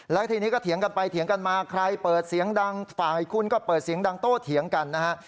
แล้วทีนี้ก็เถียงกันไปเถียงกันมาใครเปิดเสียงดังฝ่ายคุณก็เปิดเสียงดังโต้เถียงกันนะฮะ